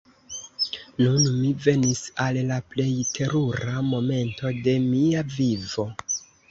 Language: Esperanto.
Nun mi venis al la plej terura momento de mia vivo!